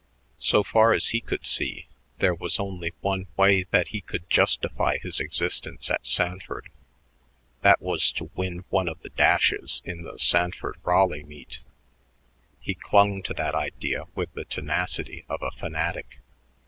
So far as he could see, there was only one way that he could justify his existence at Sanford; that was to win one of the dashes in the Sanford Raleigh meet. He clung to that idea with the tenacity of a fanatic.